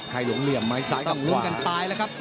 ใครหลงเหลี่ยมไหมซ้ายต้องหลงกันตายแล้วครับ